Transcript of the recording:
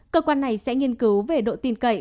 cơ quan này sẽ nghiên cứu về độ tin cậy